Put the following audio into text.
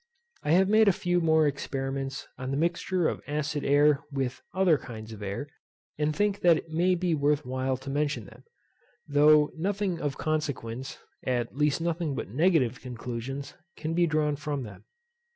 I have made a few more experiments on the mixture of acid air with other kinds of air, and think that it may be worth while to mention them, though nothing of consequence, at least nothing but negative conclusions, can be drawn from them.